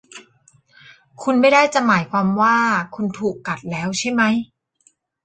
คุณไม่ได้จะหมายความว่าคุณถูกกัดแล้วใช่มั้ย ?